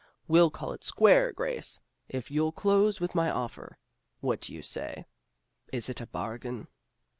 We'll call it square, Grace, if you'll close with my offer. What do you say? Is it a bargain?